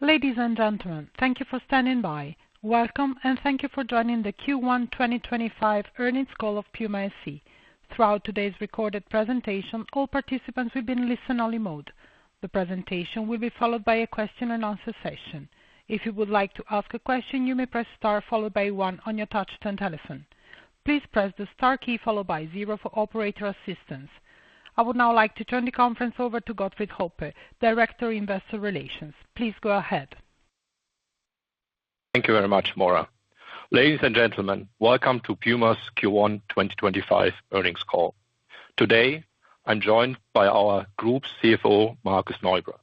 Ladies and gentlemen, thank you for standing by. Welcome, and thank you for joining the Q1 2025 earnings call of PUMA SE. Throughout today's recorded presentation, all participants will be in listen-only mode. The presentation will be followed by a question-and-answer session. If you would like to ask a question, you may press star followed by one on your touch-tone telephone. Please press the star key followed by zero for operator assistance. I would now like to turn the conference over to Gottfried Hoppe, Director of Investor Relations. Please go ahead. Thank you very much, Maura. Ladies and gentlemen, welcome to PUMA's Q1 2025 earnings call. Today, I'm joined by our Group CFO, Markus Neubrand.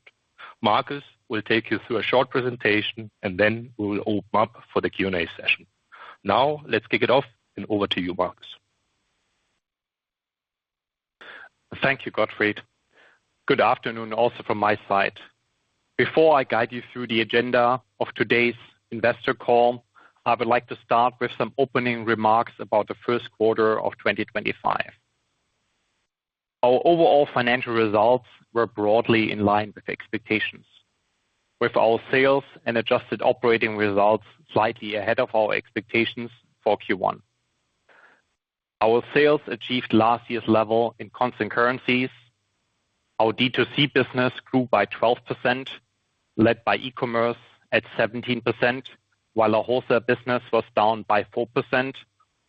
Markus will take you through a short presentation, and then we will open up for the Q&A session. Now, let's kick it off, and over to you, Markus. Thank you, Gottfried. Good afternoon also from my side. Before I guide you through the agenda of today's investor call, I would like to start with some opening remarks about the first quarter of 2025. Our overall financial results were broadly in line with expectations, with our sales and adjusted operating results slightly ahead of our expectations for Q1. Our sales achieved last year's level in constant currencies. Our D2C business grew by 12%, led by e-commerce, at 17%, while our wholesale business was down by 4%,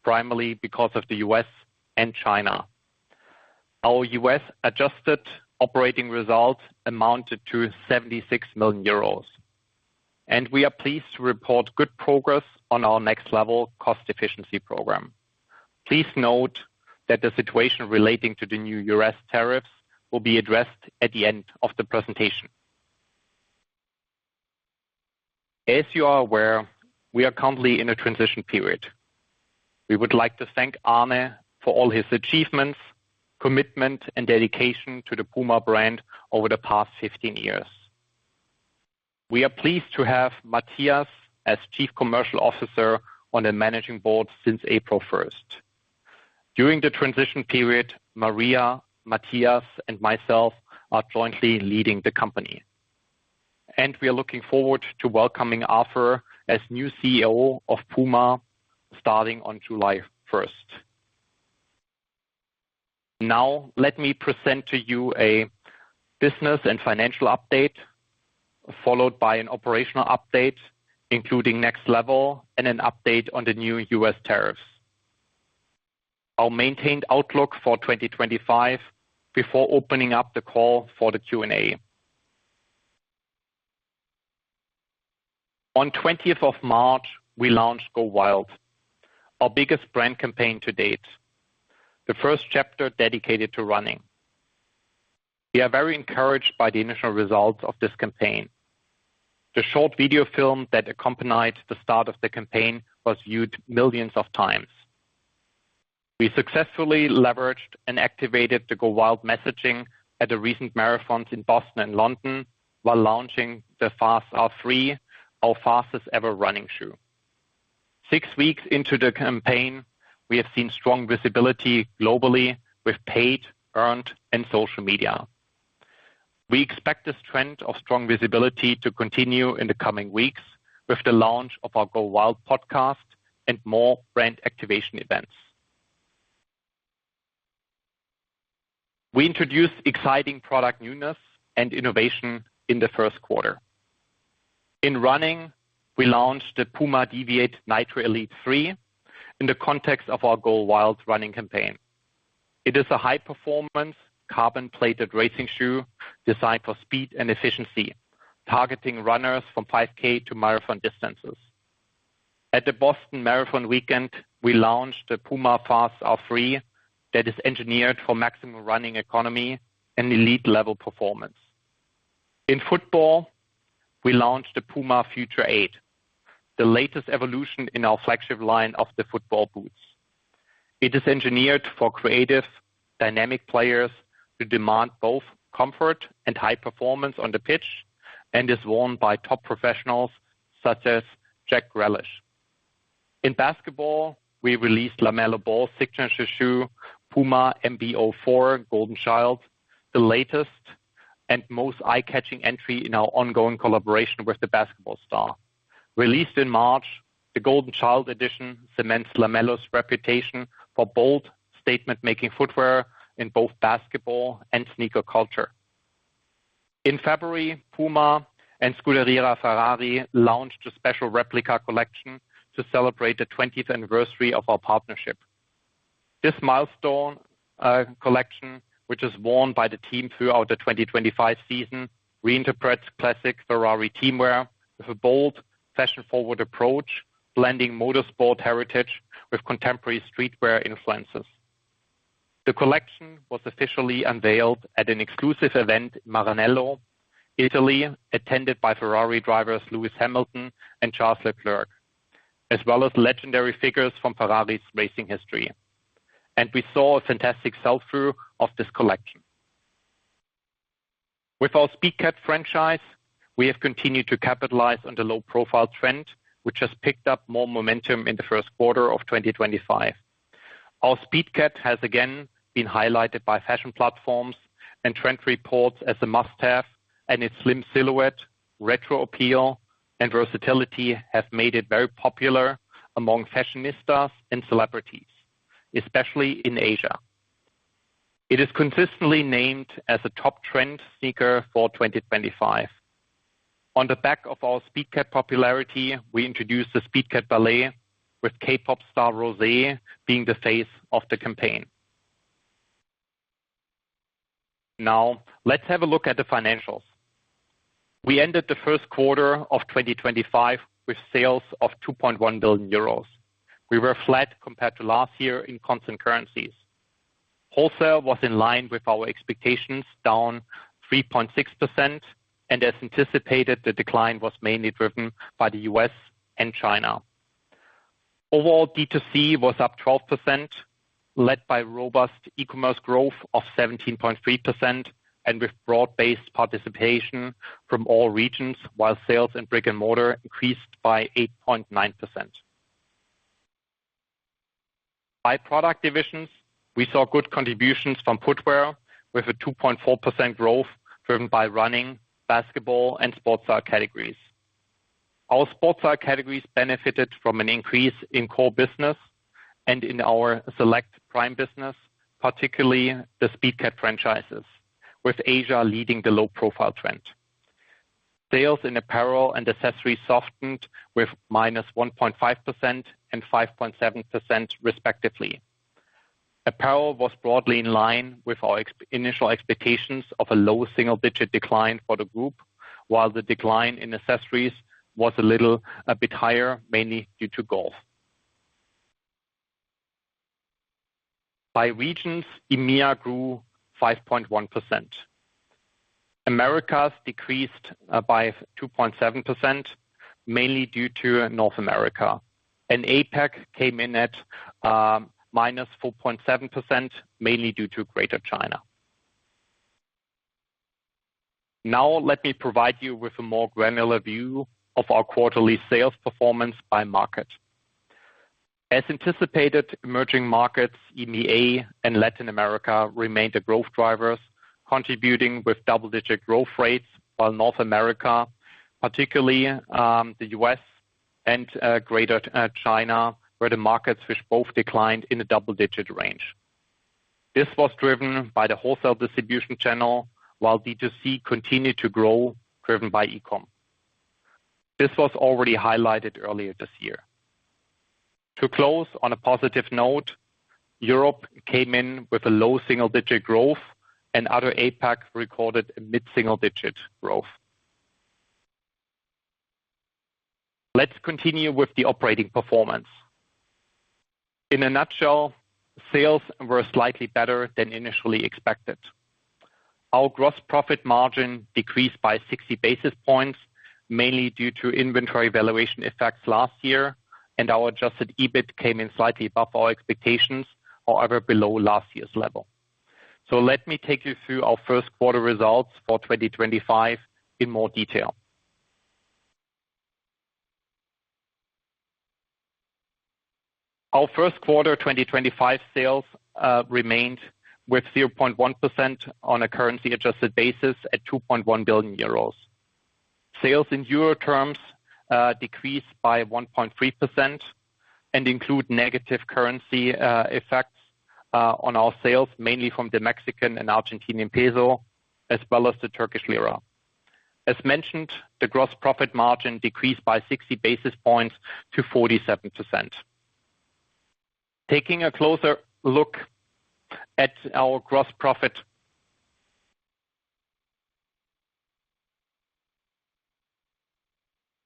primarily because of the U.S. and China. Our U.S. adjusted operating results amounted to 76 million euros, and we are pleased to report good progress on our nextlevel cost efficiency programme. Please note that the situation relating to the new U.S. tariffs will be addressed at the end of the presentation. As you are aware, we are currently in a transition period. We would like to thank Arne for all his achievements, commitment, and dedication to the PUMA brand over the past 15 years. We are pleased to have Matthias as Chief Commercial Officer on the Managing Board since April 1st. During the transition period, Maria, Matthias, and myself are jointly leading the company, and we are looking forward to welcoming Arthur as new CEO of PUMA starting on July 1st. Now, let me present to you a business and financial update, followed by an operational update, including nextlevel and an update on the new U.S. tariffs. Our maintained outlook for 2025 before opening up the call for the Q&A. On 20th of March, we launched Go Wild, our biggest brand campaign to date, the first chapter dedicated to running. We are very encouraged by the initial results of this campaign. The short video film that accompanied the start of the campaign was viewed millions of times. We successfully leveraged and activated the Go Wild messaging at the recent marathons in Boston and London while launching the Fast-R3, our fastest-ever running shoe. Six weeks into the campaign, we have seen strong visibility globally with paid, earned, and social media. We expect this trend of strong visibility to continue in the coming weeks with the launch of our Go Wild podcast and more brand activation events. We introduced exciting product newness and innovation in the first quarter. In running, we launched the PUMA Deviate NITRO Elite 3 in the context of our Go Wild running campaign. It is a high-performance carbon-plated racing shoe designed for speed and efficiency, targeting runners from 5K to marathon distances. At the Boston Marathon weekend, we launched the PUMA Fast-R3 that is engineered for maximum running economy and elite-level performance. In football, we launched the PUMA FUTURE 8, the latest evolution in our flagship line of the football boots. It is engineered for creative, dynamic players who demand both comfort and high performance on the pitch and is worn by top professionals such as Jack Grealish. In basketball, we released LaMelo Ball signature shoe PUMA MB.04 Golden Child, the latest and most eye-catching entry in our ongoing collaboration with the basketball star. Released in March, the Golden Child Edition cements LaMelo's reputation for bold, statement-making footwear in both basketball and sneaker culture. In February, PUMA and Scuderia Ferrari launched a special replica collection to celebrate the 20th anniversary of our partnership. This milestone collection, which is worn by the team throughout the 2025 season, reinterprets classic Ferrari teamwear with a bold, fashion-forward approach, blending motorsport heritage with contemporary streetwear influences. The collection was officially unveiled at an exclusive event in Maranello, Italy, attended by Ferrari drivers Lewis Hamilton and Charles Leclerc, as well as legendary figures from Ferrari's racing history, and we saw a fantastic sell-through of this collection. With our Speedcat franchise, we have continued to capitalize on the low-profile trend, which has picked up more momentum in the first quarter of 2025. Our Speedcat has again been highlighted by fashion platforms and trend reports as a must-have, and its slim silhouette, retro appeal, and versatility have made it very popular among fashionistas and celebrities, especially in Asia. It is consistently named as a top trend sneaker for 2025. On the back of our Speedcat popularity, we introduced the Speedcat Ballet, with K-pop star Rosé being the face of the campaign. Now, let's have a look at the financials. We ended the first quarter of 2025 with sales of 2.1 billion euros. We were flat compared to last year in constant currencies. Wholesale was in line with our expectations, down 3.6%, and as anticipated, the decline was mainly driven by the U.S. and China. Overall, D2C was up 12%, led by robust e-commerce growth of 17.3%, and with broad-based participation from all regions, while sales in brick and mortar increased by 8.9%. By product divisions, we saw good contributions from footwear, with a 2.4% growth driven by running, basketball, and sports car categories. Our sports car categories benefited from an increase in core business and in our select prime business, particularly the Speedcat franchises, with Asia leading the low-profile trend. Sales in apparel and accessories softened with minus 1.5% and 5.7%, respectively. Apparel was broadly in line with our initial expectations of a low single-digit decline for the group, while the decline in accessories was a little bit higher, mainly due to golf. By regions, EMEA grew 5.1%. Americas decreased by 2.7%, mainly due to North America. APAC came in at -4.7%, mainly due to Greater China. Now, let me provide you with a more granular view of our quarterly sales performance by market. As anticipated, emerging markets, EMEA and Latin America, remained the growth drivers, contributing with double-digit growth rates, while North America, particularly the U.S. and Greater China, where the markets both declined in a double-digit range. This was driven by the wholesale distribution channel, while D2C continued to grow, driven by e-com. This was already highlighted earlier this year. To close on a positive note, Europe came in with a low single-digit growth, and other APAC recorded a mid-single-digit growth. Let's continue with the operating performance. In a nutshell, sales were slightly better than initially expected. Our gross profit margin decreased by 60 basis points, mainly due to inventory valuation effects last year, and our Adjusted EBIT came in slightly above our expectations, however below last year's level. Let me take you through our first quarter results for 2025 in more detail. Our first quarter 2025 sales remained with 0.1% on a currency-adjusted basis at 2.1 billion euros. Sales in euro terms decreased by 1.3% and include negative currency effects on our sales, mainly from the Mexican and Argentinian peso, as well as the Turkish lira. As mentioned, the gross profit margin decreased by 60 basis points to 47%. Taking a closer look at our gross profit,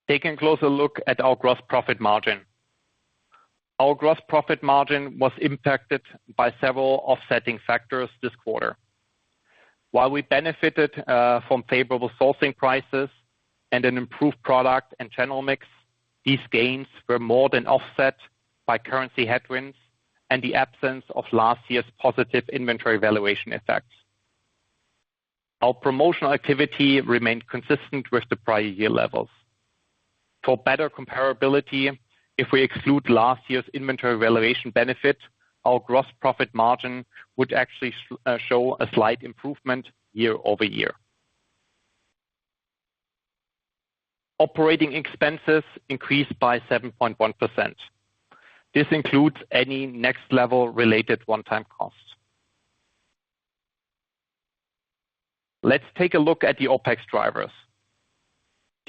taking a closer look at our gross profit margin. Our gross profit margin was impacted by several offsetting factors this quarter. While we benefited from favorable sourcing prices and an improved product and channel mix, these gains were more than offset by currency headwinds and the absence of last year's positive inventory valuation effects. Our promotional activity remained consistent with the prior year levels. For better comparability, if we exclude last year's inventory valuation benefit, our gross profit margin would actually show a slight improvement year over year. Operating expenses increased by 7.1%. This includes any nextlevel related one-time costs. Let's take a look at the OPEX drivers.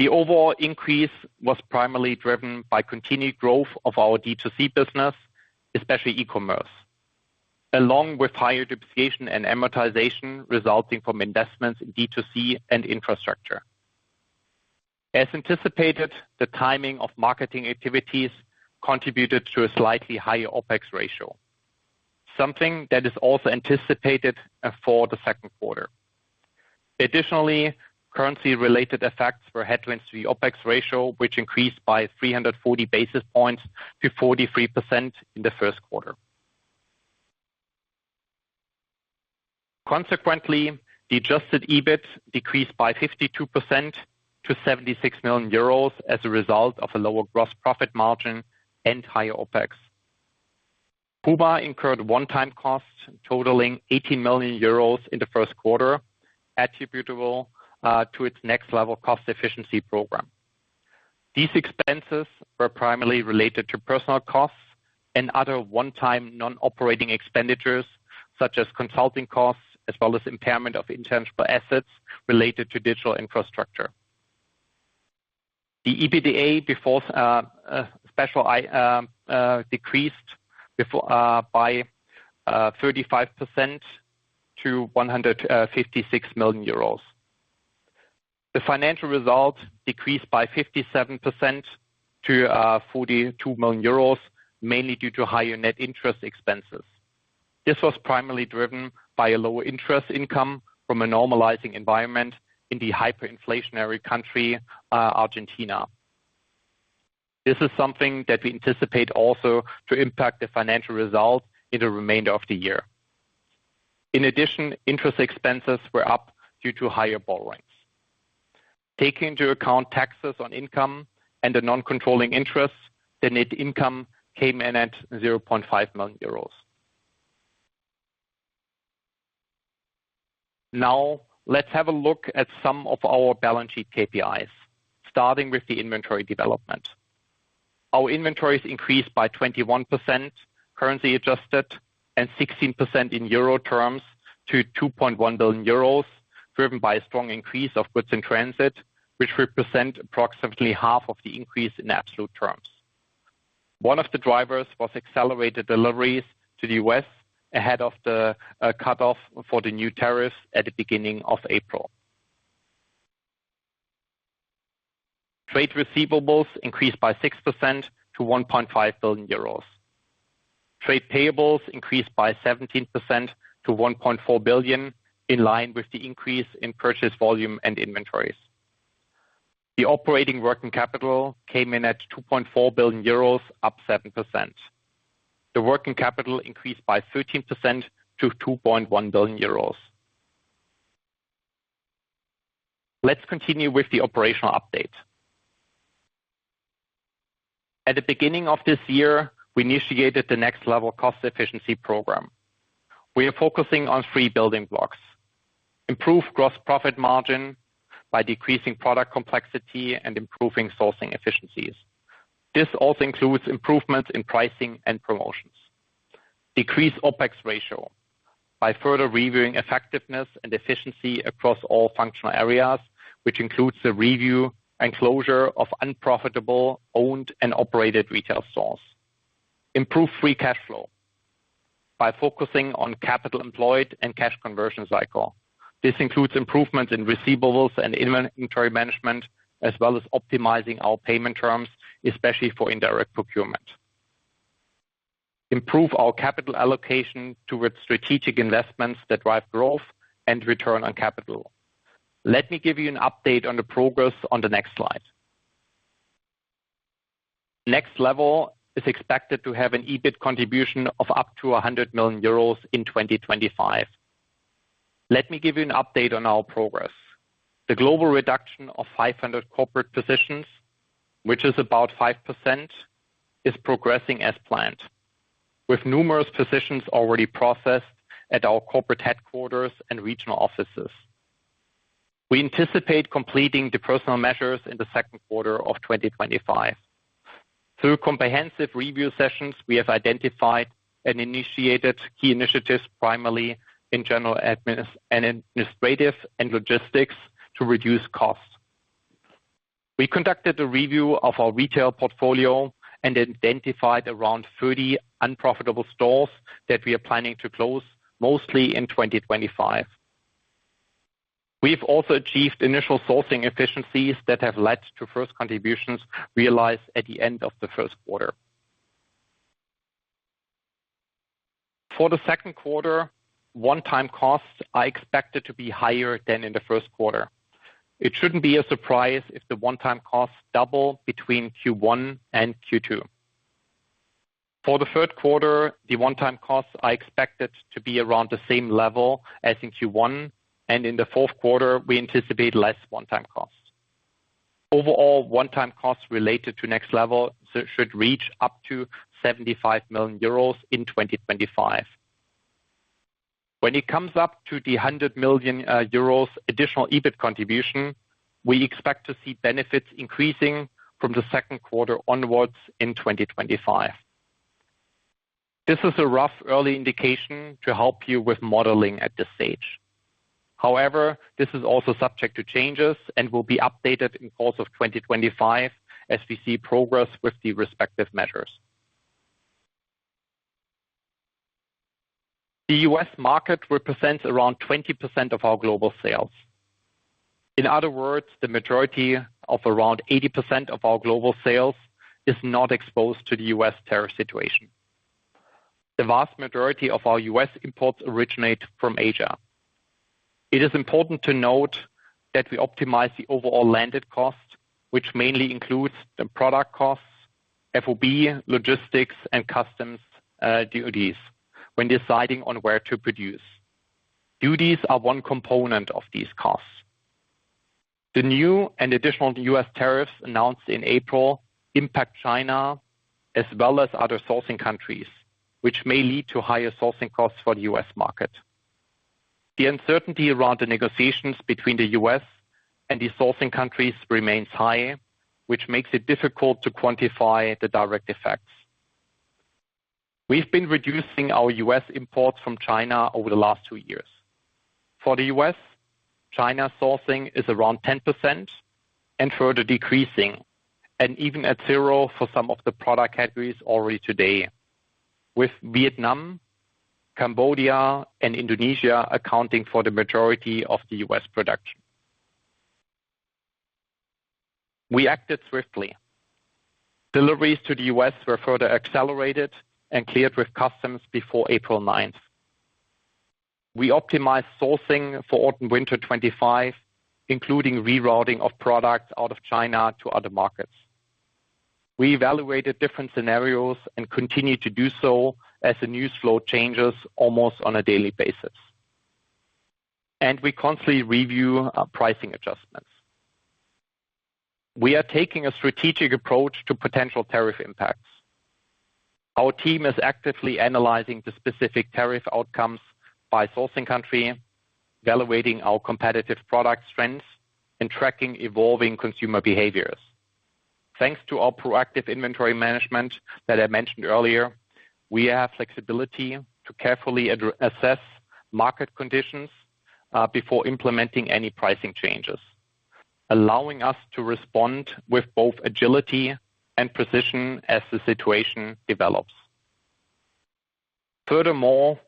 The overall increase was primarily driven by continued growth of our D2C business, especially e-commerce, along with higher depreciation and amortization resulting from investments in D2C and infrastructure. As anticipated, the timing of marketing activities contributed to a slightly higher OPEX ratio, something that is also anticipated for the second quarter. Additionally, currency-related effects were headwinds to the OPEX ratio, which increased by 340 basis points to 43% in the first quarter. Consequently, the Adjusted EBIT decreased by 52% to 76 million euros as a result of a lower gross profit margin and higher OPEX. PUMA incurred one-time costs totaling 18 million euros in the first quarter, attributable to its nextlevel cost efficiency programme. These expenses were primarily related to personnel costs and other one-time non-operating expenditures, such as consulting costs, as well as impairment of intangible assets related to digital infrastructure. The EBITDA decreased by 35% to 156 million euros. The financial result decreased by 57% to 42 million euros, mainly due to higher net interest expenses. This was primarily driven by a lower interest income from a normalizing environment in the hyperinflationary country, Argentina. This is something that we anticipate also to impact the financial result in the remainder of the year. In addition, interest expenses were up due to higher borrowings. Taking into account taxes on income and the non-controlling interest, the net income came in at 0.5 million euros. Now, let's have a look at some of our balance sheet KPIs, starting with the inventory development. Our inventories increased by 21% currency-adjusted and 16% in euro terms to 2.1 billion euros, driven by a strong increase of goods in transit, which represent approximately half of the increase in absolute terms. One of the drivers was accelerated deliveries to the U.S. ahead of the cutoff for the new tariffs at the beginning of April. Trade receivables increased by 6% to 1.5 billion euros. Trade payables increased by 17% to 1.4 billion, in line with the increase in purchase volume and inventories. The operating working capital came in at 2.4 billion euros, up 7%. The working capital increased by 13% to 2.1 billion euros. Let's continue with the operational update. At the beginning of this year, we initiated the nextlevel cost efficiency programme. We are focusing on three building blocks: improve gross profit margin by decreasing product complexity and improving sourcing efficiencies. This also includes improvements in pricing and promotions. Decrease OPEX ratio by further reviewing effectiveness and efficiency across all functional areas, which includes the review and closure of unprofitable owned and operated retail stores. Improve free cash flow by focusing on capital employed and cash conversion cycle. This includes improvements in receivables and inventory management, as well as optimizing our payment terms, especially for indirect procurement. Improve our capital allocation towards strategic investments that drive growth and return on capital. Let me give you an update on the progress on the next slide. nextlevel is expected to have an EBIT contribution of up to 100 million euros in 2025. Let me give you an update on our progress. The global reduction of 500 corporate positions, which is about 5%, is progressing as planned, with numerous positions already processed at our corporate headquarters and regional offices. We anticipate completing the personnel measures in the second quarter of 2025. Through comprehensive review sessions, we have identified and initiated key initiatives, primarily in general and administrative and logistics, to reduce costs. We conducted a review of our retail portfolio and identified around 30 unprofitable stores that we are planning to close, mostly in 2025. We have also achieved initial sourcing efficiencies that have led to first contributions realized at the end of the first quarter. For the second quarter, one-time costs are expected to be higher than in the first quarter. It shouldn't be a surprise if the one-time costs double between Q1 and Q2. For the third quarter, the one-time costs are expected to be around the same level as in Q1, and in the fourth quarter, we anticipate less one-time costs. Overall, one-time costs related to nextlevel should reach up to 75 million euros in 2025. When it comes up to the 100 million euros additional EBIT contribution, we expect to see benefits increasing from the second quarter onwards in 2025. This is a rough early indication to help you with modeling at this stage. However, this is also subject to changes and will be updated in the course of 2025 as we see progress with the respective measures. The U.S. market represents around 20% of our global sales. In other words, the majority of around 80% of our global sales is not exposed to the U.S. tariff situation. The vast majority of our U.S. imports originate from Asia. It is important to note that we optimize the overall landed cost, which mainly includes the product costs, FOB, logistics, and customs duties when deciding on where to produce. Duties are one component of these costs. The new and additional U.S. tariffs announced in April impact China, as well as other sourcing countries, which may lead to higher sourcing costs for the U.S. market. The uncertainty around the negotiations between the U.S. and the sourcing countries remains high, which makes it difficult to quantify the direct effects. We've been reducing our U.S. imports from China over the last two years. For the U.S., China sourcing is around 10% and further decreasing, and even at zero for some of the product categories already today, with Vietnam, Cambodia, and Indonesia accounting for the majority of the U.S. production. We acted swiftly. Deliveries to the U.S. were further accelerated and cleared with customs before April 9. We optimized sourcing for autumn/winter 2025, including rerouting of products out of China to other markets. We evaluated different scenarios and continue to do so as the news flow changes almost on a daily basis. We constantly review pricing adjustments. We are taking a strategic approach to potential tariff impacts. Our team is actively analyzing the specific tariff outcomes by sourcing country, evaluating our competitive product strengths, and tracking evolving consumer behaviors. Thanks to our proactive inventory management that I mentioned earlier, we have flexibility to carefully assess market conditions before implementing any pricing changes, allowing us to respond with both agility and precision as the situation develops. Furthermore,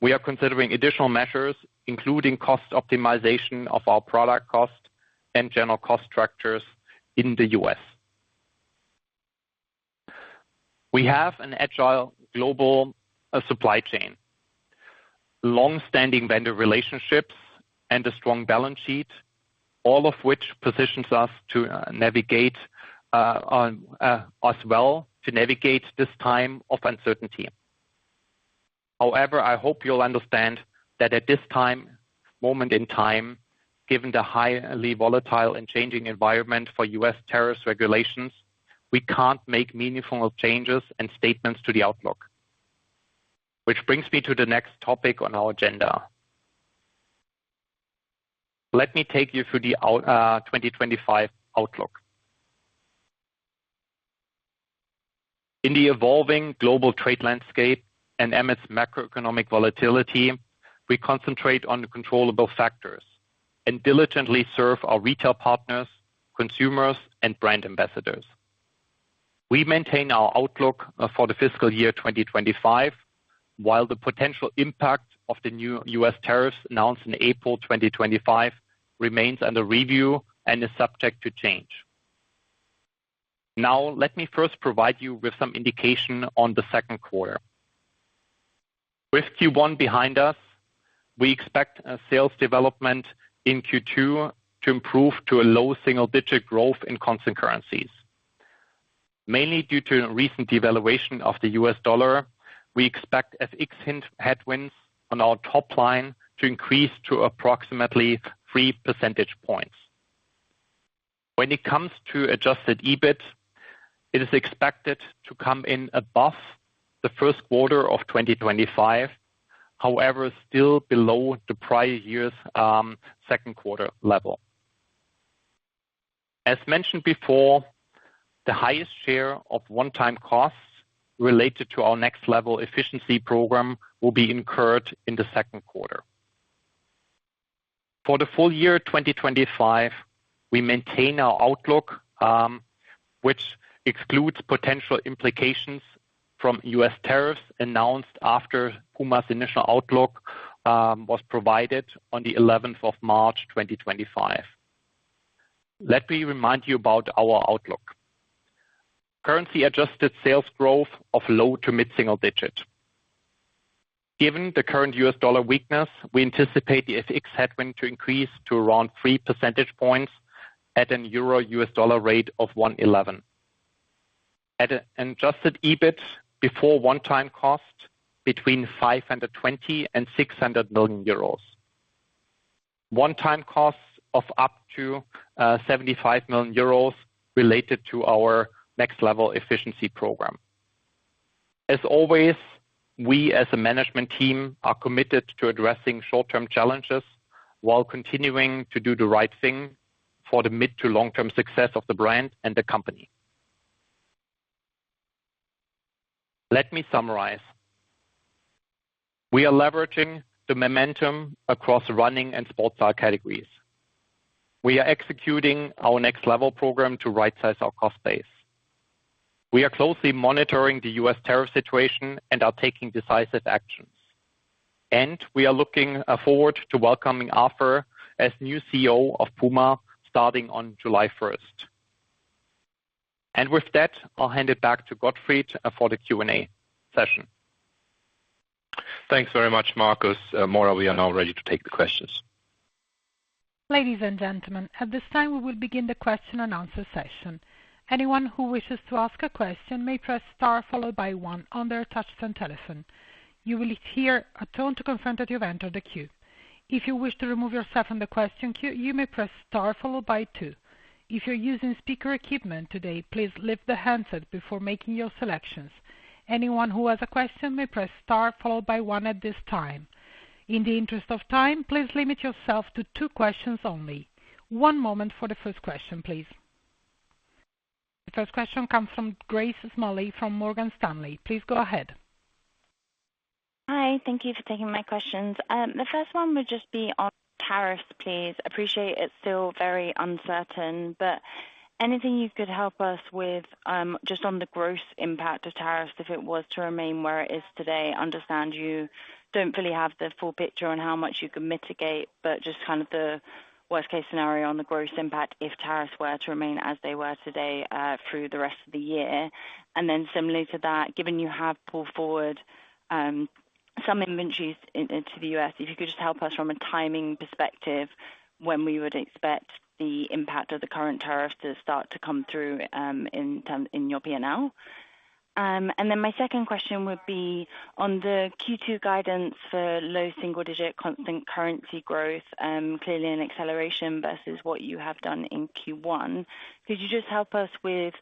we are considering additional measures, including cost optimization of our product cost and general cost structures in the U.S. We have an agile global supply chain, long-standing vendor relationships, and a strong balance sheet, all of which positions us to navigate this time of uncertainty. However, I hope you'll understand that at this moment in time, given the highly volatile and changing environment for U.S. tariff regulations, we can't make meaningful changes and statements to the outlook, which brings me to the next topic on our agenda. Let me take you through the 2025 outlook. In the evolving global trade landscape and amidst macroeconomic volatility, we concentrate on controllable factors and diligently serve our retail partners, consumers, and brand ambassadors. We maintain our outlook for the fiscal year 2025, while the potential impact of the new U.S. tariffs announced in April 2025 remains under review and is subject to change. Now, let me first provide you with some indication on the second quarter. With Q1 behind us, we expect sales development in Q2 to improve to a low single-digit growth in constant currencies, mainly due to recent devaluation of the US dollar. We expect FX headwinds on our top line to increase to approximately 3 percentage points. When it comes to Adjusted EBIT, it is expected to come in above the first quarter of 2025, however, still below the prior year's second quarter level. As mentioned before, the highest share of one-time costs related to our nextlevel efficiency program will be incurred in the second quarter. For the full year 2025, we maintain our outlook, which excludes potential implications from U.S. tariffs announced after PUMA's initial outlook was provided on the 11th of March 2025. Let me remind you about our outlook. Currency-adjusted sales growth of low to mid-single digit. Given the current US dollar weakness, we anticipate the FX headwind to increase to around 3 percentage points at an euro/US dollar rate of 1.11. At an Adjusted EBIT before one-time cost between 520 million and 600 million euros, one-time costs of up to 75 million euros related to our nextlevel efficiency program. As always, we as a management team are committed to addressing short-term challenges while continuing to do the right thing for the mid- to long-term success of the brand and the company. Let me summarize. We are leveraging the momentum across running and sports car categories. We are executing our nextlevel program to right-size our cost base. We are closely monitoring the U.S. tariff situation and are taking decisive actions. We are looking forward to welcoming Arthur as new CEO of PUMA starting on July 1st. With that, I'll hand it back to Gottfried for the Q&A session. Thanks very much, Markus. Maura, we are now ready to take the questions. Ladies and gentlemen, at this time, we will begin the question and answer session. Anyone who wishes to ask a question may press star followed by one on their touchscreen telephone. You will hear a tone to confirm that you've entered the queue. If you wish to remove yourself from the question queue, you may press star followed by two. If you're using speaker equipment today, please lift the handset before making your selections. Anyone who has a question may press star followed by one at this time. In the interest of time, please limit yourself to two questions only. One moment for the first question, please. The first question comes from Grace Smalley from Morgan Stanley. Please go ahead. Hi, thank you for taking my questions. The first one would just be on tariffs, please. Appreciate it's still very uncertain, but anything you could help us with just on the gross impact of tariffs if it was to remain where it is today. I understand you don't fully have the full picture on how much you could mitigate, but just kind of the worst-case scenario on the gross impact if tariffs were to remain as they were today through the rest of the year. Similarly to that, given you have pulled forward some inventories into the U.S., if you could just help us from a timing perspective when we would expect the impact of the current tariffs to start to come through in your P&L. My second question would be on the Q2 guidance for low single-digit constant currency growth, clearly an acceleration versus what you have done in Q1. Could you just help us with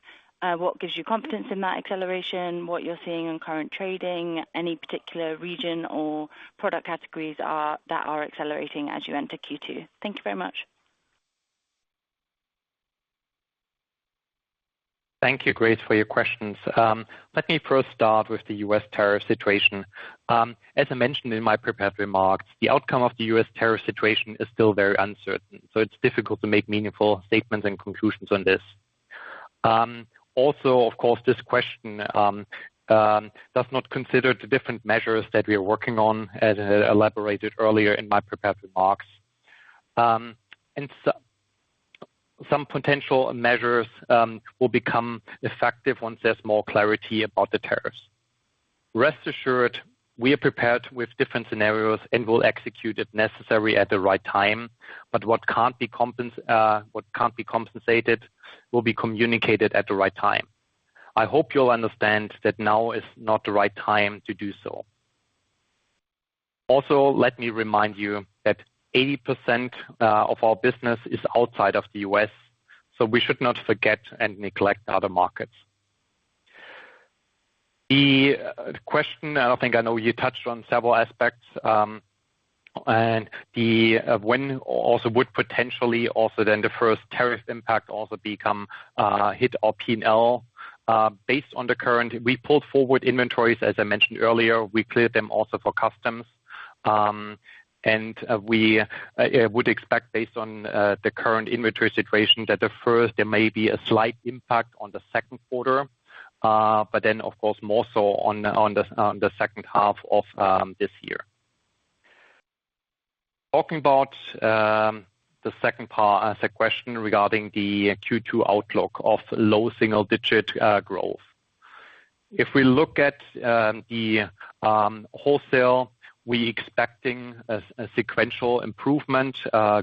what gives you confidence in that acceleration, what you're seeing in current trading, any particular region or product categories that are accelerating as you enter Q2? Thank you very much. Thank you, Grace, for your questions. Let me first start with the U.S. tariff situation. As I mentioned in my prepared remarks, the outcome of the U.S. tariff situation is still very uncertain, so it's difficult to make meaningful statements and conclusions on this. Also, of course, this question does not consider the different measures that we are working on, as I elaborated earlier in my prepared remarks. Some potential measures will become effective once there's more clarity about the tariffs. Rest assured, we are prepared with different scenarios and will execute if necessary at the right time, but what can't be compensated will be communicated at the right time. I hope you'll understand that now is not the right time to do so. Also, let me remind you that 80% of our business is outside of the U.S., so we should not forget and neglect other markets. The question, and I think I know you touched on several aspects, and when also would potentially also then the first tariff impact also become hit our P&L based on the current we pulled forward inventories, as I mentioned earlier, we cleared them also for customs. We would expect, based on the current inventory situation, that the first there may be a slight impact on the second quarter, but then, of course, more so on the second half of this year. Talking about the second part, the question regarding the Q2 outlook of low single-digit growth. If we look at the wholesale, we are expecting a sequential improvement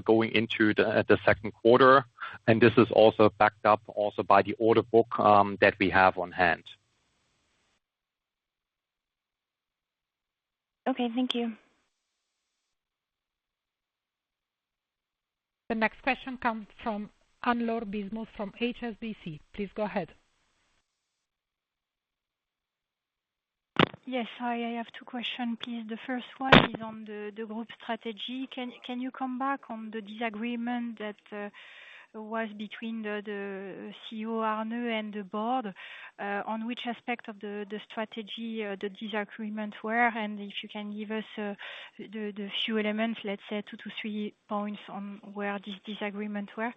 going into the second quarter, and this is also backed up also by the order book that we have on hand. Okay, thank you. The next question comes from Anne-Laure Bismuth from HSBC. Please go ahead. Yes, hi, I have two questions, please. The first one is on the group strategy. Can you come back on the disagreement that was between the CEO, Arne, and the board on which aspect of the strategy the disagreement were, and if you can give us the few elements, let's say two to three points on where these disagreements were.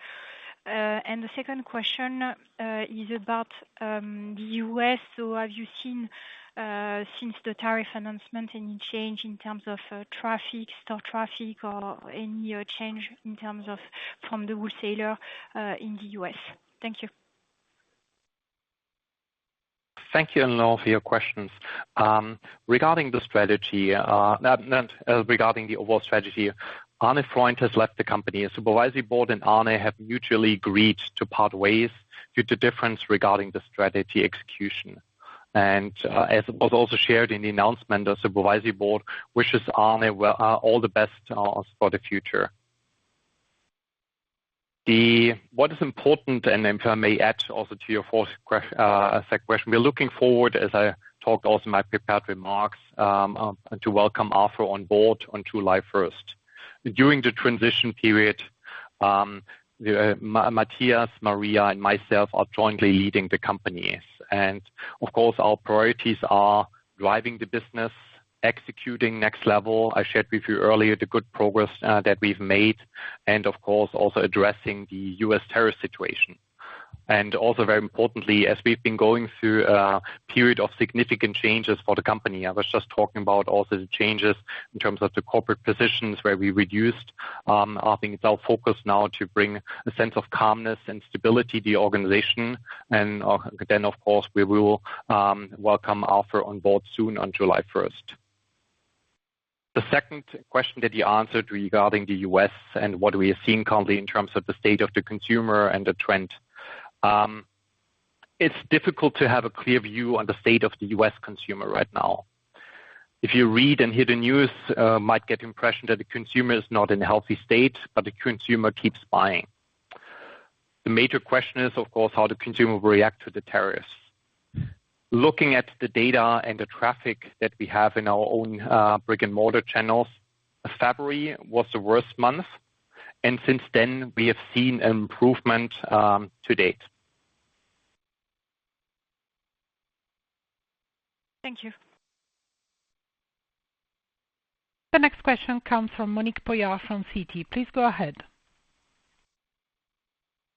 The second question is about the U.S. Have you seen, since the tariff announcement, any change in terms of traffic, store traffic, or any change in terms of from the wholesaler in the U.S.? Thank you. Thank you all for your questions. Regarding the strategy, regarding the overall strategy, Arne Freundt has left the company. The supervisory board and Arne have mutually agreed to part ways due to differences regarding the strategy execution. As was also shared in the announcement, the supervisory board wishes Arne all the best for the future. What is important, and if I may add also to your second question, we're looking forward, as I talked also in my prepared remarks, to welcome Arthur on board on July 1st. During the transition period, Matthias, Maria, and myself are jointly leading the company. Of course, our priorities are driving the business, executing nextlevel. I shared with you earlier the good progress that we've made, and of course, also addressing the U.S. tariff situation. Also, very importantly, as we have been going through a period of significant changes for the company, I was just talking about the changes in terms of the corporate positions where we reduced our focus now to bring a sense of calmness and stability to the organization. Of course, we will welcome Arthur on board soon on July 1st. The second question that you answered regarding the U.S. and what we are seeing currently in terms of the state of the consumer and the trend, it is difficult to have a clear view on the state of the U.S. consumer right now. If you read and hear the news, you might get the impression that the consumer is not in a healthy state, but the consumer keeps buying. The major question is, of course, how the consumer will react to the tariffs. Looking at the data and the traffic that we have in our own brick-and-mortar channels, February was the worst month, and since then, we have seen an improvement to date. Thank you. The next question comes from Monique Pollard from Citi. Please go ahead.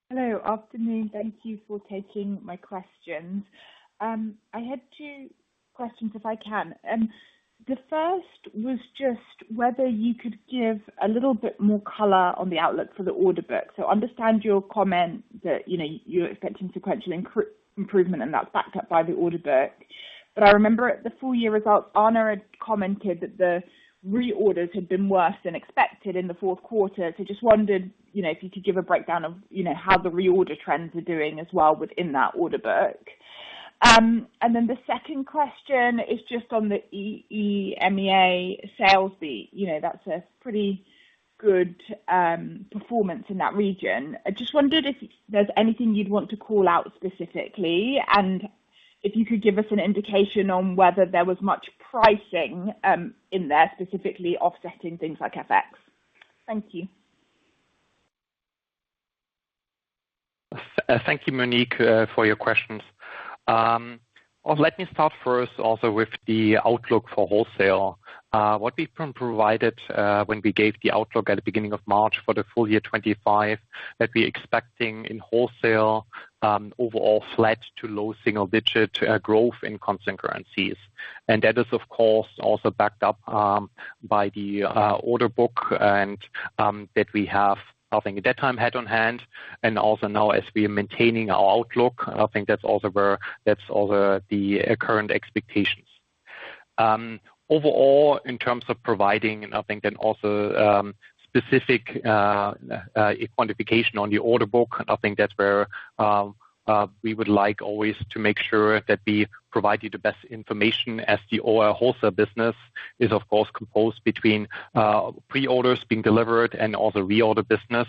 Hello, afternoon. Thank you for taking my questions. I had two questions, if I can. The first was just whether you could give a little bit more color on the outlook for the order book. So I understand your comment that you're expecting sequential improvement, and that's backed up by the order book. But I remember at the full year results, Arne had commented that the reorders had been worse than expected in the fourth quarter. So I just wondered if you could give a breakdown of how the reorder trends are doing as well within that order book. The second question is just on the EEMEA sales beat. That's a pretty good performance in that region. I just wondered if there's anything you'd want to call out specifically, and if you could give us an indication on whether there was much pricing in there specifically offsetting things like FX. Thank you. Thank you, Monique, for your questions. Let me start first also with the outlook for wholesale. What we provided when we gave the outlook at the beginning of March for the full year 2025, that we're expecting in wholesale overall flat to low single-digit growth in constant currencies. That is, of course, also backed up by the order book and that we have nothing at that time head on hand. Also now, as we are maintaining our outlook, I think that's also where that's also the current expectations. Overall, in terms of providing, and I think then also specific quantification on the order book, I think that's where we would like always to make sure that we provide you the best information as the wholesale business is, of course, composed between pre-orders being delivered and also reorder business.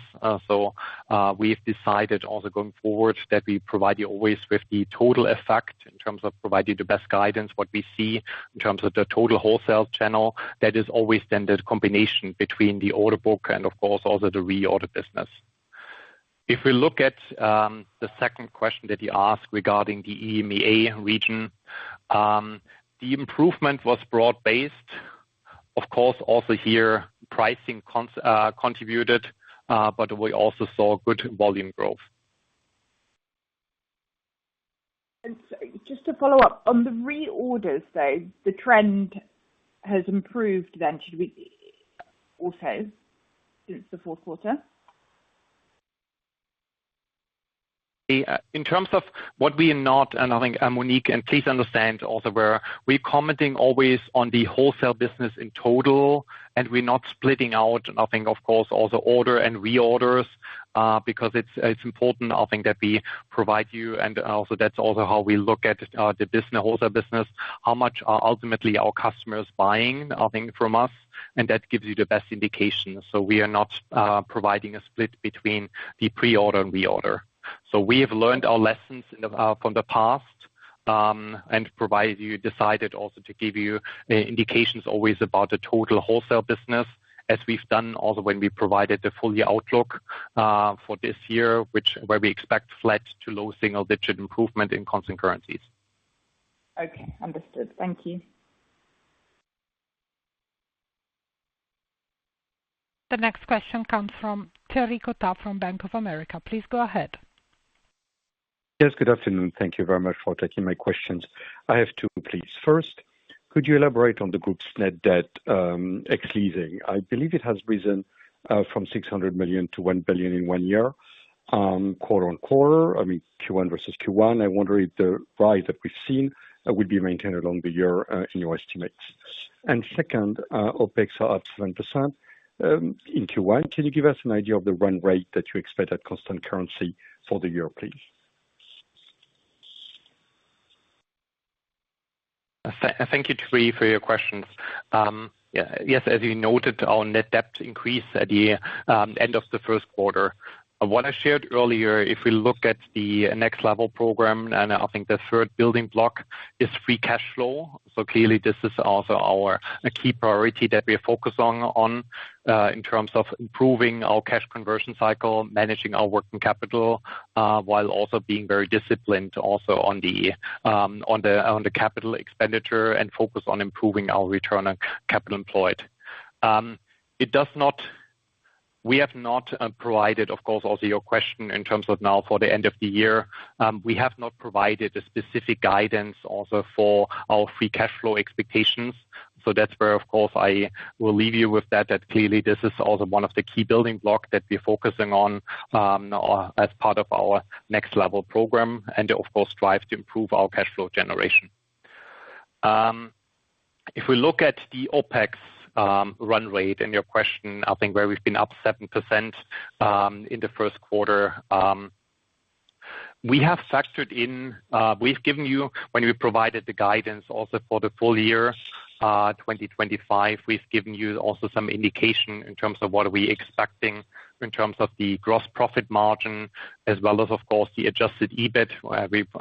We have decided also going forward that we provide you always with the total effect in terms of providing the best guidance, what we see in terms of the total wholesale channel. That is always then the combination between the order book and, of course, also the reorder business. If we look at the second question that you asked regarding the EMEA region, the improvement was broad-based. Of course, also here, pricing contributed, but we also saw good volume growth. Just to follow up on the reorders, though, the trend has improved then also since the fourth quarter? In terms of what we are not, and I think Monique, and please understand also where we're commenting always on the wholesale business in total, and we're not splitting out, I think, of course, also order and reorders because it's important, I think, that we provide you, and also that's also how we look at the wholesale business, how much are ultimately our customers buying, I think, from us, and that gives you the best indication. We are not providing a split between the pre-order and reorder. We have learned our lessons from the past and decided also to give you indications always about the total wholesale business as we've done also when we provided the full year outlook for this year, which where we expect flat to low single-digit improvement in constant currencies. Okay, understood. Thank you. The next question comes from Thierry Cota from Bank of America. Please go ahead. Yes, good afternoon. Thank you very much for taking my questions. I have two, please. First, could you elaborate on the group's net debt exceeding? I believe it has risen from 600 million to 1 billion in one year, quarter on quarter, I mean, Q1 versus Q1. I wonder if the rise that we've seen would be maintained along the year in your estimates. Second, OPEX are up 7% in Q1. Can you give us an idea of the run rate that you expect at constant currency for the year, please? Thank you, Thierry, for your questions. Yes, as you noted, our net debt increased at the end of the first quarter. What I shared earlier, if we look at the nextlevel programme, and I think the third building block is free cash flow. Clearly, this is also our key priority that we focus on in terms of improving our cash conversion cycle, managing our working capital, while also being very disciplined also on the capital expenditure and focus on improving our return on capital employed. We have not provided, of course, also your question in terms of now for the end of the year. We have not provided a specific guidance also for our free cash flow expectations. That is where, of course, I will leave you with that, that clearly this is also one of the key building blocks that we're focusing on as part of our nextlevel program and, of course, drive to improve our cash flow generation. If we look at the OPEX run rate and your question, I think where we've been up 7% in the first quarter, we have factored in, we've given you, when we provided the guidance also for the full year 2025, we've given you also some indication in terms of what are we expecting in terms of the gross profit margin, as well as, of course, the Adjusted EBIT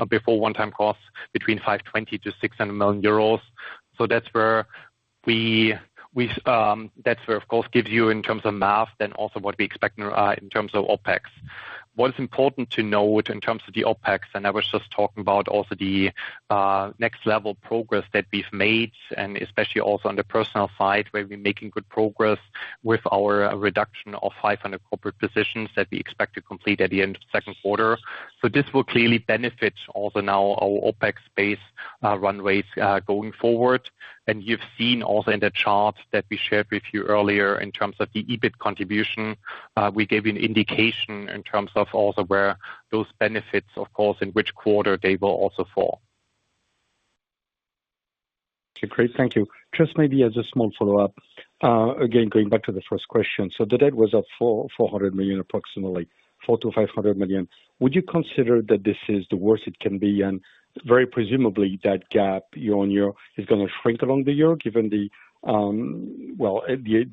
before one-time costs between 520 million-600 million euros. That is where we, that is where, of course, gives you in terms of math, then also what we expect in terms of OPEX. What's important to note in terms of the OPEX, and I was just talking about also the nextlevel progress that we've made, and especially also on the personnel side, where we're making good progress with our reduction of 500 corporate positions that we expect to complete at the end of the second quarter. This will clearly benefit also now our OPEX-based run rates going forward. You've seen also in the chart that we shared with you earlier in terms of the EBIT contribution, we gave you an indication in terms of also where those benefits, of course, in which quarter they will also fall. Okay, great. Thank you. Just maybe as a small follow-up, again, going back to the first question. The debt was at 400 million approximately, 400 million-500 million. Would you consider that this is the worst it can be? Very presumably, that gap you're on here is going to shrink along the year given the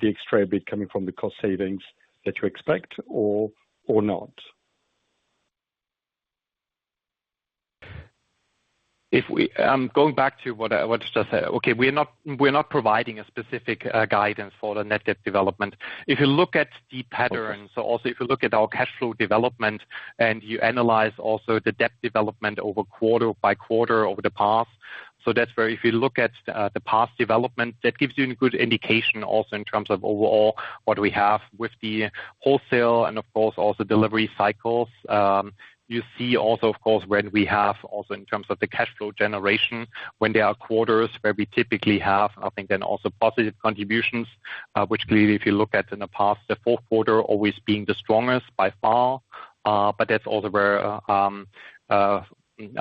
extra bit coming from the cost savings that you expect or not? I'm going back to what I just said. Okay, we're not providing a specific guidance for the net debt development. If you look at the pattern, if you look at our cash flow development and you analyze also the debt development quarter by quarter over the past, that's where if you look at the past development, that gives you a good indication also in terms of overall what we have with the wholesale and, of course, also delivery cycles. You see also, of course, when we have also in terms of the cash flow generation, when there are quarters where we typically have, I think then also positive contributions, which clearly if you look at in the past, the fourth quarter always being the strongest by far. That is also where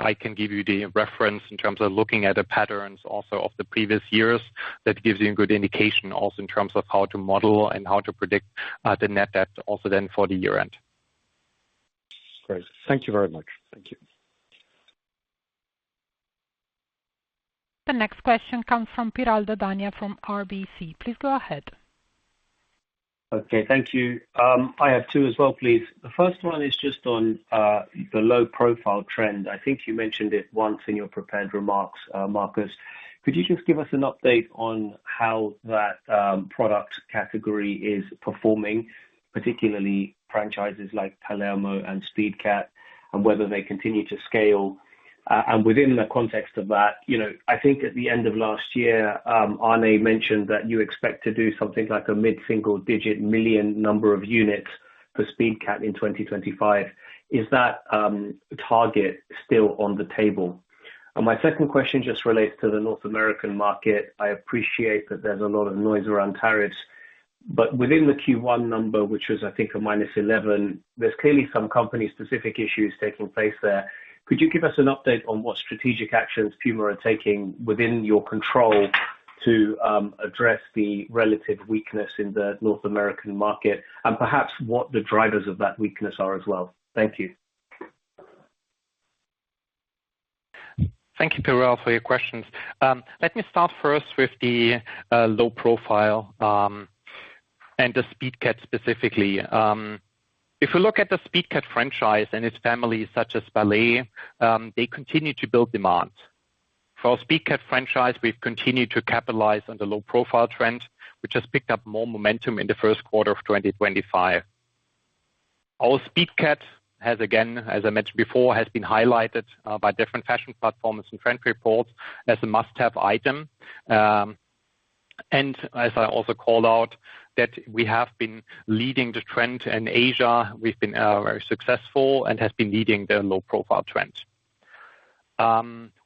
I can give you the reference in terms of looking at the patterns also of the previous years. That gives you a good indication also in terms of how to model and how to predict the net debt also then for the year end. Great. Thank you very much. Thank you. The next question comes from Piral Dadhania from RBC. Please go ahead. Okay, thank you. I have two as well, please. The first one is just on the low profile trend. I think you mentioned it once in your prepared remarks, Markus. Could you just give us an update on how that product category is performing, particularly franchises like Palermo and Speedcat, and whether they continue to scale? Within the context of that, I think at the end of last year, Arne mentioned that you expect to do something like a mid-single-digit million number of units for Speedcat in 2025. Is that target still on the table? My second question just relates to the North American market. I appreciate that there is a lot of noise around tariffs, but within the Q1 number, which was, I think, a minus 11, there are clearly some company-specific issues taking place there. Could you give us an update on what strategic actions PUMA are taking within your control to address the relative weakness in the North American market, and perhaps what the drivers of that weakness are as well? Thank you. Thank you, Piral, for your questions. Let me start first with the low profile and the Speedcat specifically. If we look at the Speedcat franchise and its family such as Palermo, they continue to build demand. For our Speedcat franchise, we've continued to capitalize on the low profile trend, which has picked up more momentum in the first quarter of 2025. our Speedcat has, again, as I mentioned before, been highlighted by different fashion platforms and trend reports as a must-have item. As I also called out, we have been leading the trend in Asia. We've been very successful and have been leading the low profile trend.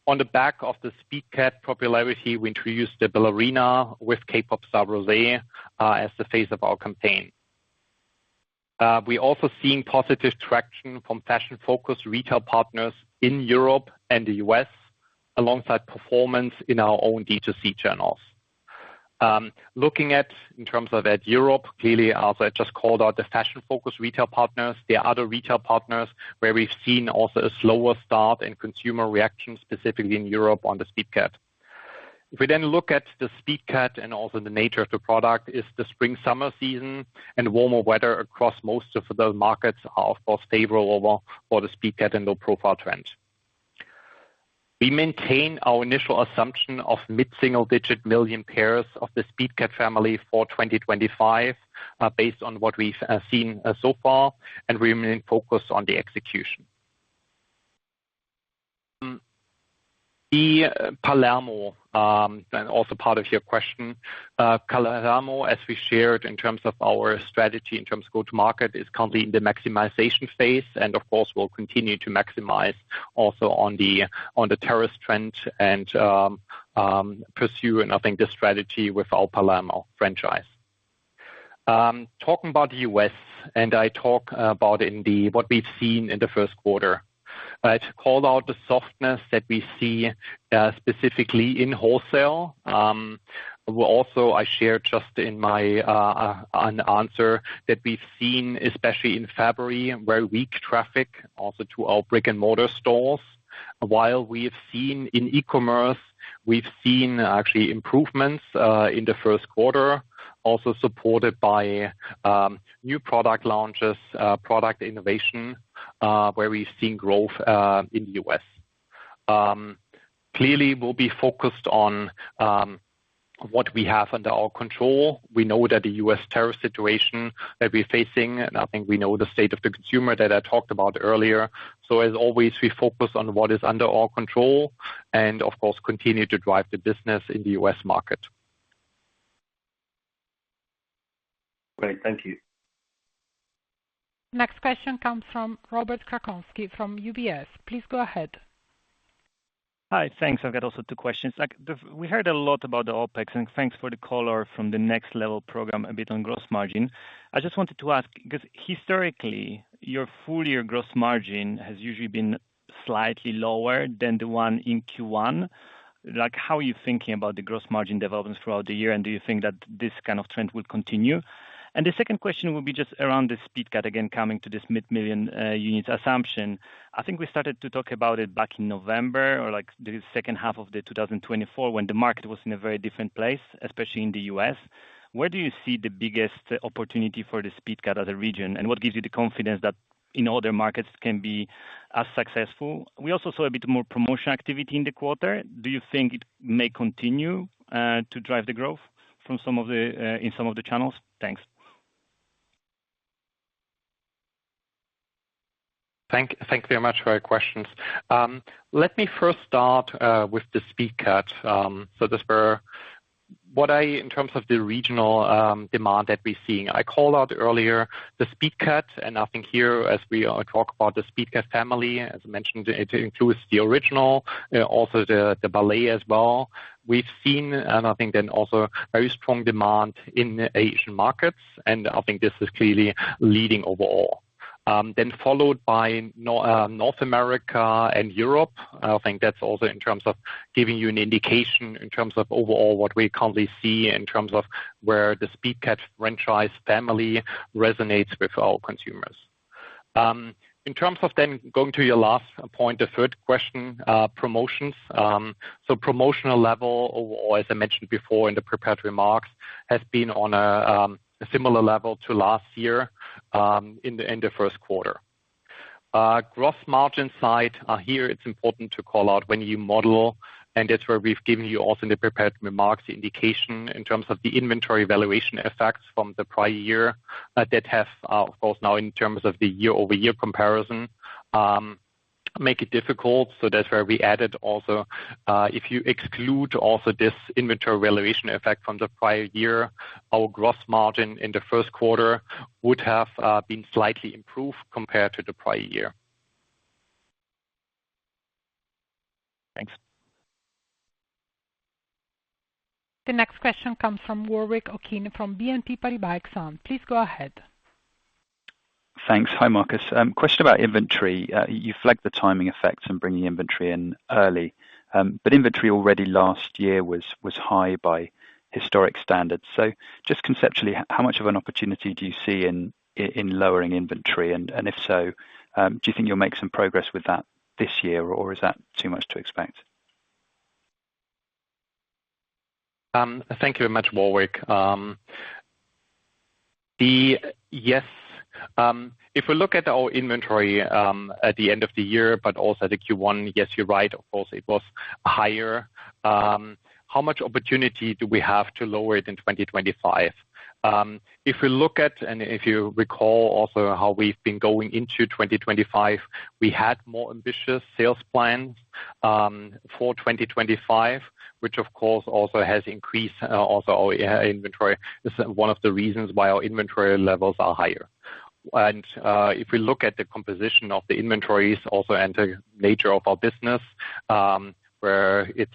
On the back of the Speedcat popularity, we Speedcat ballet with K-pop star Rosé as the face of our campaign. We're also seeing positive traction from fashion-focused retail partners in Europe and the U.S., alongside performance in our own D2C channels. Looking at in terms of that Europe, clearly, as I just called out, the fashion-focused retail partners, there are other retail partners where we've seen also a slower start in consumer reaction specifically in Europe on the Speedcat. If we then look at the Speedcat and also the nature of the product, it's the spring-summer season, and warmer weather across most of the markets are, of course, favorable for the Speedcat and low profile trend. We maintain our initial assumption of mid-single-digit million pairs of the Speedcat family for 2025 based on what we've seen so far, and we remain focused on the execution. The Palermo, and also part of your question, Palermo, as we shared in terms of our strategy in terms of go-to-market, is currently in the maximization phase and, of course, will continue to maximize also on the tariffs trend and pursue, and I think the strategy with our Palermo franchise. Talking about the U.S., and I talk about what we've seen in the first quarter. I called out the softness that we see specifically in wholesale. Also, I shared just in my answer that we've seen, especially in February, very weak traffic also to our brick-and-mortar stores. While we've seen in e-commerce, we've seen actually improvements in the first quarter, also supported by new product launches, product innovation, where we've seen growth in the U.S. Clearly, we'll be focused on what we have under our control. We know that the U.S. tariff situation that we're facing, and I think we know the state of the consumer that I talked about earlier. As always, we focus on what is under our control and, of course, continue to drive the business in the US market. Great. Thank you. Next question comes from Robert Krankowski from UBS. Please go ahead. Hi, thanks. I've got also two questions. We heard a lot about the OPEX, and thanks for the color from the nextlevel program a bit on gross margin. I just wanted to ask, because historically, your full year gross margin has usually been slightly lower than the one in Q1. How are you thinking about the gross margin developments throughout the year, and do you think that this kind of trend will continue? The second question will be just around the Speedcat, again, coming to this mid-million units assumption. I think we started to talk about it back in November or the second half of 2024 when the market was in a very different place, especially in the U.S. Where do you see the biggest opportunity for the Speedcat as a region, and what gives you the confidence that in other markets can be as successful? We also saw a bit more promotion activity in the quarter. Do you think it may continue to drive the growth in some of the channels? Thanks. Thank you very much for your questions. Let me first start with the Speedcat. This is where, in terms of the regional demand that we're seeing. I called out earlier the Speedcat, and I think here as we talk about the Speedcat family, as I mentioned, it includes the original, also the Ballet as well. We've seen, and I think then also very strong demand in Asian markets, and I think this is clearly leading overall. Then followed by North America and Europe. I think that's also in terms of giving you an indication in terms of overall what we currently see in terms of where the Speedcat franchise family resonates with our consumers. In terms of then going to your last point, the third question, promotions. Promotional level overall, as I mentioned before in the prepared remarks, has been on a similar level to last year in the first quarter. Gross margin side, here it's important to call out when you model, and that's where we've given you also in the prepared remarks the indication in terms of the inventory valuation effects from the prior year that have, of course, now in terms of the year-over-year comparison make it difficult. That's where we added also, if you exclude also this inventory valuation effect from the prior year, our gross margin in the first quarter would have been slightly improved compared to the prior year. Thanks. The next question comes from Warwick Okines from BNP Paribas Exane. Please go ahead. Thanks. Hi, Markus. Question about inventory. You flagged the timing effects and bringing inventory in early, but inventory already last year was high by historic standards. Just conceptually, how much of an opportunity do you see in lowering inventory, and if so, do you think you'll make some progress with that this year, or is that too much to expect? Thank you very much, Warwick. Yes, if we look at our inventory at the end of the year, but also the Q1, yes, you're right, of course, it was higher. How much opportunity do we have to lower it in 2025? If we look at, and if you recall also how we've been going into 2025, we had more ambitious sales plans for 2025, which of course also has increased also our inventory. This is one of the reasons why our inventory levels are higher. If we look at the composition of the inventories also and the nature of our business, where it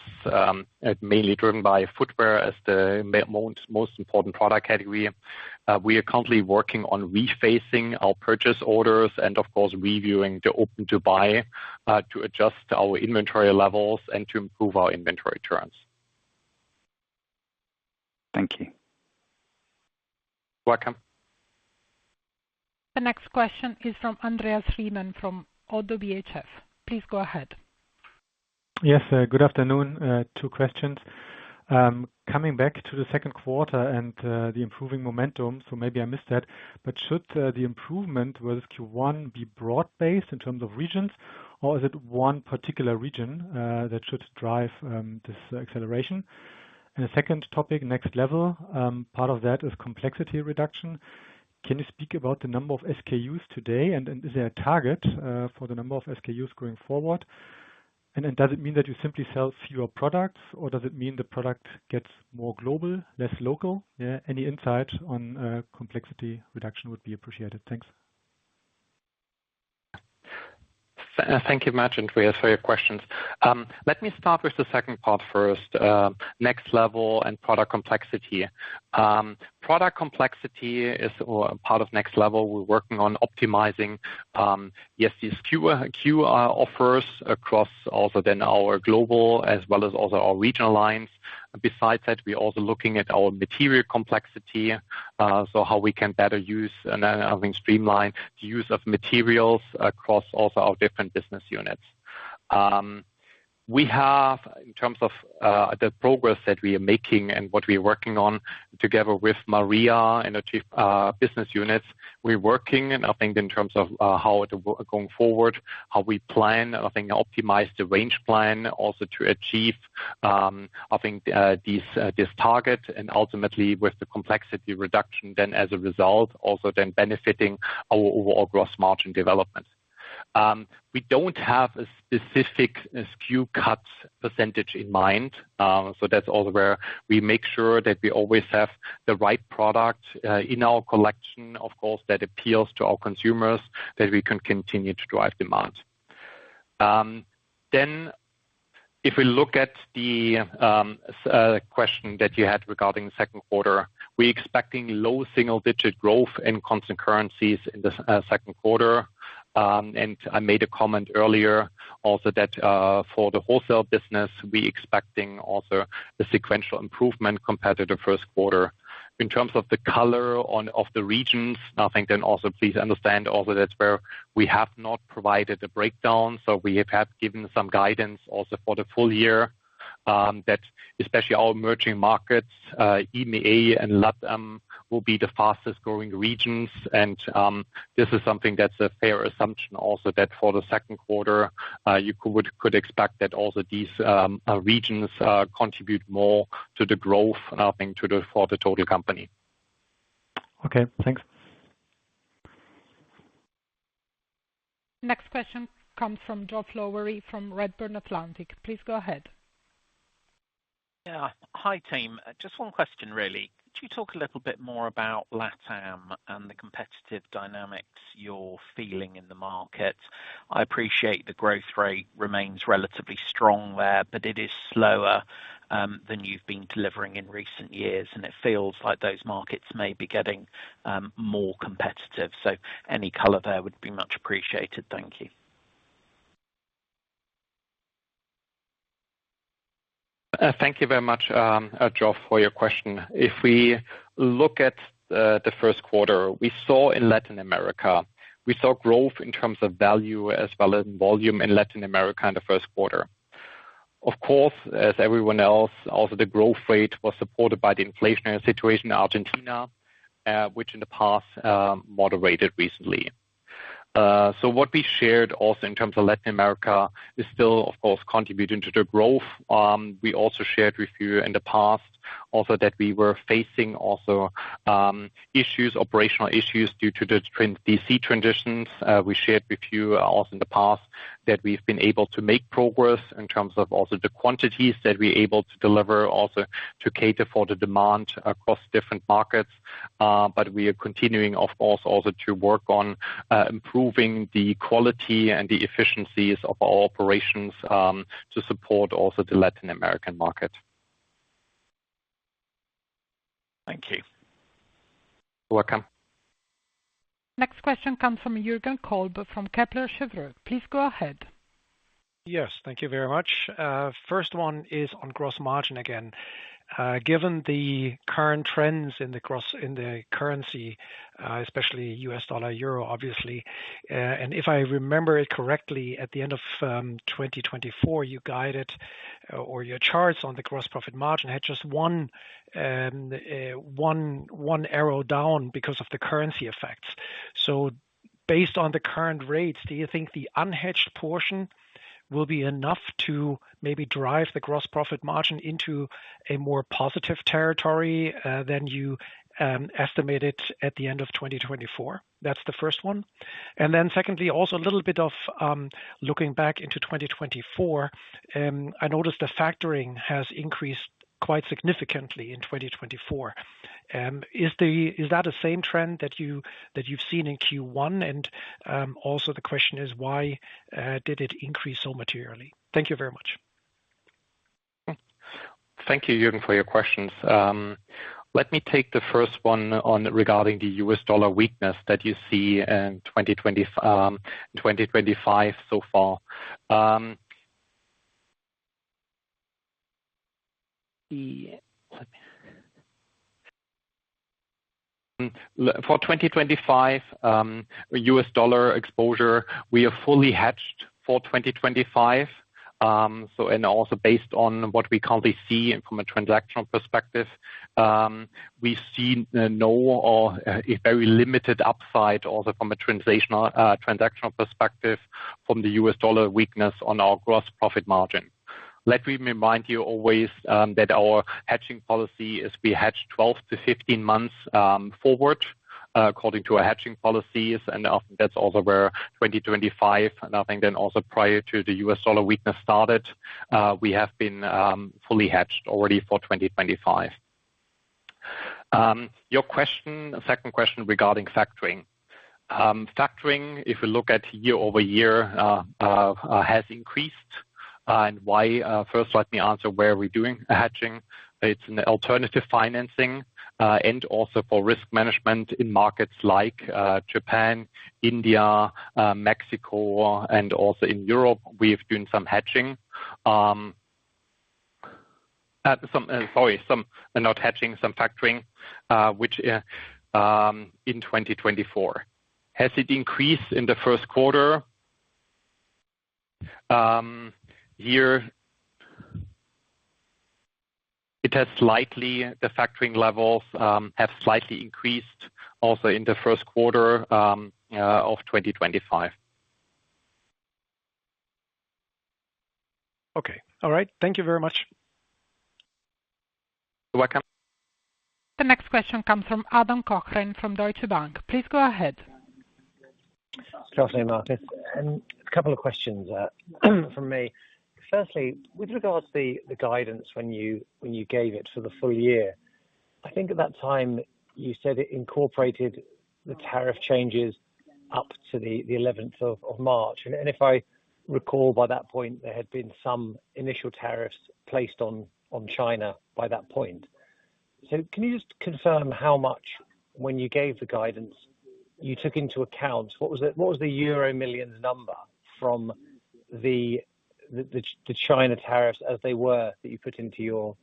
is mainly driven by footwear as the most important product category, we are currently working on refacing our purchase orders and, of course, reviewing the open to buy to adjust our inventory levels and to improve our inventory terms. Thank you. Welcome. The next question is from Andreas Riemann from ODDO BHF. Please go ahead. Yes, good afternoon. Two questions. Coming back to the second quarter and the improving momentum, maybe I missed that, but should the improvement with Q1 be broad-based in terms of regions, or is it one particular region that should drive this acceleration? The second topic, nextlevel, part of that is complexity reduction. Can you speak about the number of SKUs today, and is there a target for the number of SKUs going forward? Does it mean that you simply sell fewer products, or does it mean the product gets more global, less local? Any insight on complexity reduction would be appreciated. Thanks. Thank you very much, Andreas, for your questions. Let me start with the second part first, nextlevel and product complexity. Product complexity is part of nextlevel. we are working on optimizing ESG SKU offers across also then our global as well as also our regional lines. Besides that, we are also looking at our material complexity, so how we can better use and I think streamline the use of materials across also our different business units. We have, in terms of the progress that we are making and what we are working on together with Maria and our Chief Business Units, we're working and I think in terms of how going forward, how we plan, I think optimize the range plan also to achieve I think this target and ultimately with the complexity reduction then as a result also then benefiting our overall gross margin development. We do not have a specific SKU cut percentage in mind, so that is also where we make sure that we always have the right product in our collection, of course, that appeals to our consumers, that we can continue to drive demand. If we look at the question that you had regarding the second quarter, we are expecting low single-digit growth in constant currencies in the second quarter. I made a comment earlier also that for the wholesale business, we're expecting also the sequential improvement compared to the first quarter. In terms of the color of the regions, I think then also please understand also that's where we have not provided a breakdown. We have given some guidance also for the full year that especially our emerging markets, EMEA and LATAM, will be the fastest growing regions. This is something that's a fair assumption also that for the second quarter, you could expect that also these regions contribute more to the growth, I think, for the total company. Okay, thanks. Next question comes from Geoff Lowery from Redburn Atlantic. Please go ahead. Hi, team. Just one question, really. Could you talk a little bit more about LATAM and the competitive dynamics you're feeling in the market? I appreciate the growth rate remains relatively strong there, but it is slower than you've been delivering in recent years, and it feels like those markets may be getting more competitive. Any color there would be much appreciated. Thank you. Thank you very much, Geoff, for your question. If we look at the first quarter, we saw in Latin America, we saw growth in terms of value as well as volume in Latin America in the first quarter. Of course, as everyone else, also the growth rate was supported by the inflationary situation in Argentina, which in the past moderated recently. What we shared also in terms of Latin America is still, of course, contributing to the growth. We also shared with you in the past also that we were facing also issues, operational issues due to the DC transitions. We shared with you also in the past that we've been able to make progress in terms of also the quantities that we're able to deliver also to cater for the demand across different markets. We are continuing, of course, also to work on improving the quality and the efficiencies of our operations to support also the Latin American market. Thank you. Welcome. Next question comes from Jürgen Kolb from Kepler Cheuvreux. Please go ahead. Yes, thank you very much. First one is on gross margin again. Given the current trends in the currency, especially US dollar, euro, obviously, and if I remember it correctly, at the end of 2024, you guided or your charts on the gross profit margin had just one arrow down because of the currency effects. Based on the current rates, do you think the unhedged portion will be enough to maybe drive the gross profit margin into a more positive territory than you estimated at the end of 2024? That is the first one. Secondly, also a little bit of looking back into 2024, I noticed the factoring has increased quite significantly in 2024. Is that the same trend that you have seen in Q1? Also, the question is, why did it increase so materially? Thank you very much. Thank you, Jürgen, for your questions. Let me take the first one regarding the US dollar weakness that you see in 2025 so far. For 2025, US dollar exposure, we are fully hedged for 2025. Also, based on what we currently see from a transactional perspective, we see no or very limited upside, also from a transactional perspective, from the US dollar weakness on our gross profit margin. Let me remind you always that our hedging policy is we hedge 12-15 months forward according to our hedging policies. That is also where 2025, and I think then also prior to the US dollar weakness starting, we have been fully hedged already for 2025. Your second question regarding factoring. Factoring, if we look at year over year, has increased. Why? First, let me answer where we are doing factoring. It is an alternative financing and also for risk management in markets like Japan, India, Mexico, and also in Europe, we have been doing some factoring, which in 2024, has it increased in the first quarter? Here, the factoring levels have slightly increased also in the first quarter of 2025. Okay. All right. Thank you very much. Welcome. The next question comes from Adam Cochrane from Deutsche Bank. Please go ahead. Good afternoon, Markus. And a couple of questions from me. Firstly, with regards to the guidance when you gave it for the full year, I think at that time you said it incorporated the tariff changes up to the 11th of March. If I recall by that point, there had been some initial tariffs placed on China by that point. Can you just confirm how much when you gave the guidance, you took into account? What was the euro million number from the China tariffs as they were that you put into your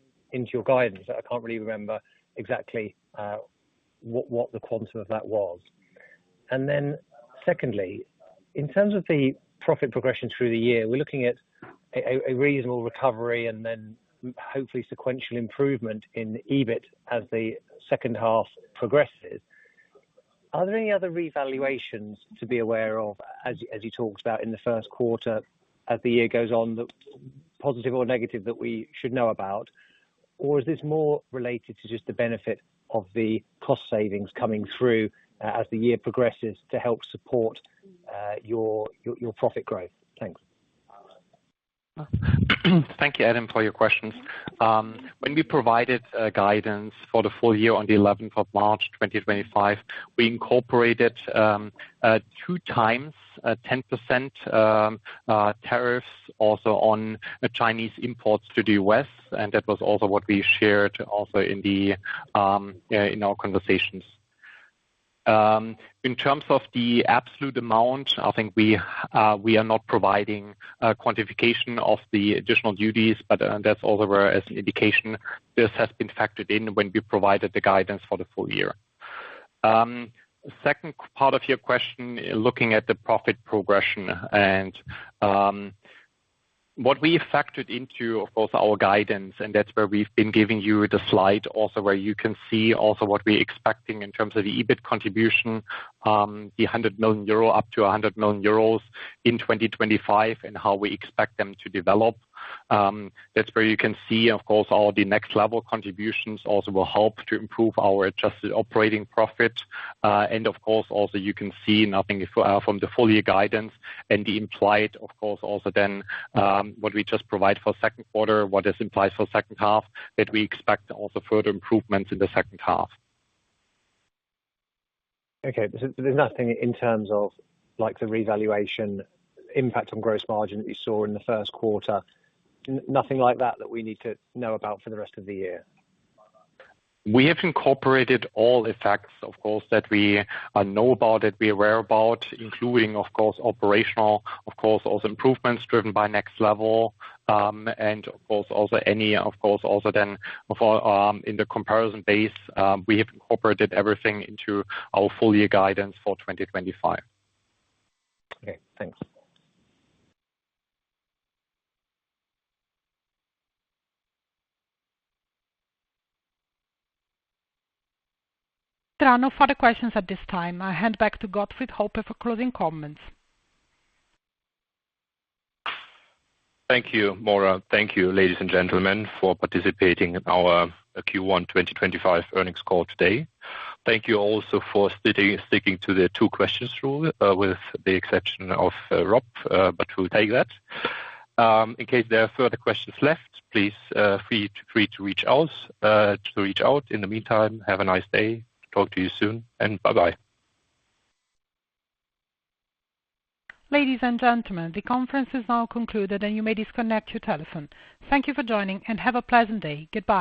guidance? I can't really remember exactly what the quantum of that was. Secondly, in terms of the profit progression through the year, we're looking at a reasonable recovery and then hopefully sequential improvement in EBIT as the second half progresses. Are there any other revaluations to be aware of, as you talked about in the first quarter as the year goes on, positive or negative that we should know about? Is this more related to just the benefit of the cost savings coming through as the year progresses to help support your profit growth? Thanks. Thank you, Adam, for your questions. When we provided guidance for the full year on the 11 of March, 2025, we incorporated two times 10% tariffs also on Chinese imports to the U.S. That was also what we shared also in our conversations. In terms of the absolute amount, I think we are not providing quantification of the additional duties, but that's also where as an indication this has been factored in when we provided the guidance for the full year. The second part of your question, looking at the profit progression and what we factored into both our guidance, and that's where we've been giving you the slide also where you can see also what we're expecting in terms of the EBIT contribution, the 100 million euro up to 100 million euros in 2025 and how we expect them to develop. That's where you can see, of course, all the nextlevel contributions also will help to improve our adjusted operating profit. Of course, also you can see nothing from the full year guidance and the implied, of course, also then what we just provided for the second quarter, what this implies for the second half, that we expect also further improvements in the second half. Okay. There is nothing in terms of the revaluation impact on gross margin that you saw in the first quarter. Nothing like that that we need to know about for the rest of the year? We have incorporated all effects, of course, that we know about, that we are aware about, including, of course, operational, of course, also improvements driven by nextlevel. Of course, also any, of course, also then in the comparison base, we have incorporated everything into our full year guidance for 2025. Okay. Thanks. There are no further questions at this time. I hand back to Gottfried Hoppe for closing comments. Thank you, Maura. Thank you, ladies and gentlemen, for participating in our Q1 2025 earnings call today. Thank you also for sticking to the two questions rule with the exception of Rob, but we'll take that. In case there are further questions left, please feel free to reach out. In the meantime, have a nice day. Talk to you soon. Bye-bye. Ladies and gentlemen, the conference is now concluded, and you may disconnect your telephone. Thank you for joining, and have a pleasant day. Goodbye.